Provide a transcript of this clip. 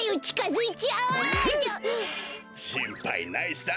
しんぱいないさ。